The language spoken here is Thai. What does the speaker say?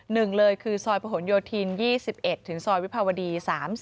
หนึ่งเลยคือซอยประหลโยธิน๒๑ถึงซอยวิภาวดี๓๐